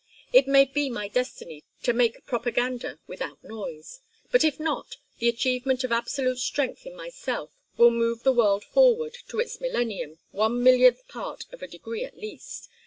It may be my destiny to make propaganda without noise; but if not, the achievement of absolute strength in myself will move the world forward to its millennium one millionth part of a degree at least.